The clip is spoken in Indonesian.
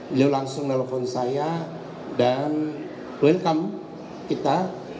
beliau langsung nelfon saya dan welcome kita